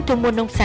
ông nói số năm